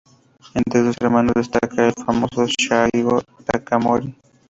Entre sus hermanos destaca el famoso Saigō Takamori.